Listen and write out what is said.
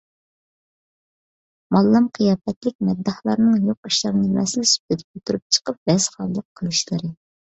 موللام قىياپەتلىك مەدداھلارنىڭ يوق ئىشلارنى مەسىلە سۈپىتىدە كۆتۈرۈپ چىقىپ ۋەزخانلىق قىلىشلىرى